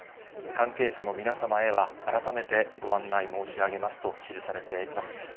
関係者の皆様へは改めてご案内申し上げますと記されています。